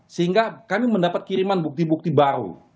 sehingga kami mendapat kiriman bukti bukti baru